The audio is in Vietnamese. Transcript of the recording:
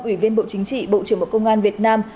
ủy viên bộ chính trị bộ trưởng bộ công an việt nam